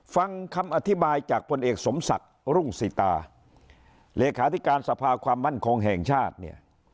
ฟังคำอธิบายจากพลเอกสมศักดิ์รุ่งสิตาเลขาธิการสภาความมั่นคงแห่งชาติเนี่ย